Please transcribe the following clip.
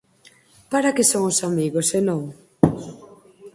¿Para que son os amigos, se non?